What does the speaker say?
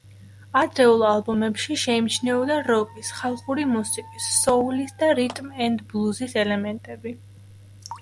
ადრეულ ალბომებში შეიმჩნეოდა როკის, ხალხური მუსიკის, სოულის და რიტმ-ენდ-ბლუზის ელემენტები.